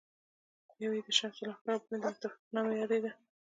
یوه یې د شمس النهار او بله د مصطفاوي په نامه یادېده.